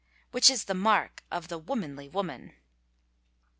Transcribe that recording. which is the mark of the "womanly" woman.